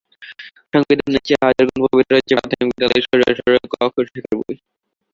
সংবিধানের চেয়ে হাজার গুণ পবিত্র হচ্ছে প্রাথমিক বিদ্যালয়ের অ-আ-ক-খ শেখার বই।